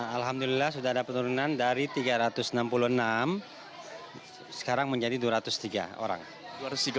alhamdulillah sudah ada penurunan dari tiga ratus enam puluh enam sekarang menjadi dua ratus tiga orang